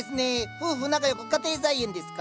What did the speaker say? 夫婦仲良く家庭菜園ですか。